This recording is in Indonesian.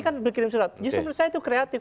kan berkirim surat justru menurut saya itu kreatif